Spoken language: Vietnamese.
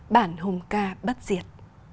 bản hùng ca bất diệt